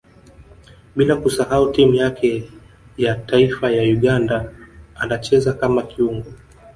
Bila kusahau timu yake ya taifa ya Uganda anacheza kama kiungo